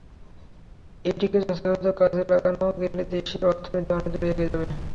এটিকে যথাযথভাবে কাজে লাগানো গেলে দেশের অর্থনীতি অনেক দূর এগিয়ে যাবে।